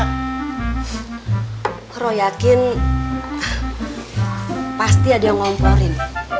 kro yakin pasti ada yang ngomporin